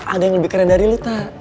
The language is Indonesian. ada yang lebih keren dari lo ta